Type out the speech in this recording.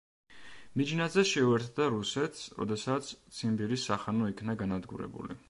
მიჯნაზე შეუერთდა რუსეთს, როდესაც ციმბირის სახანო იქნა განადგურებული.